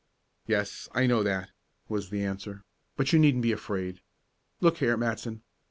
"Yes, I know that," was the answer, "but you needn't be afraid. Look here, Matson.